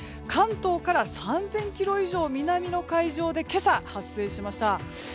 関東から３０００ｋｍ以上南の海上で今朝、発生しました。